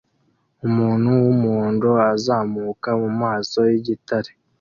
Umuntu wumuhondo azamuka mumaso yigitare